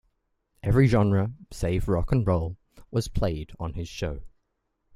Every genre save rock and roll was played on his show.